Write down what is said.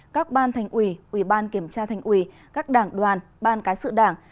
các ban thành ủy ủy ban kiểm tra thành ủy các đảng đoàn ban cán sự đảng